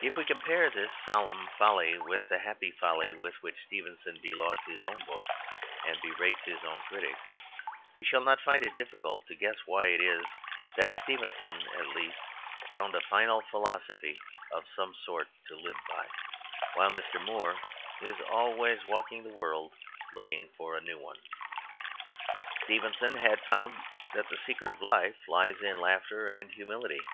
If we compare this solemn folly with the happy folly with which Stevenson belauds his own books and berates his own critics, we shall not find it difficult to guess why it is that Stevenson at least found a final philosophy of some sort to live by, while Mr. Moore is always walking the world looking for a new one. Stevenson had found that the secret of life lies in laughter and humility.